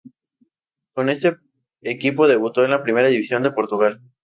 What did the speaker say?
Con este equipo debutó en la Primera División de Portugal.